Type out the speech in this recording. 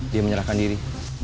dia menyerahkan diri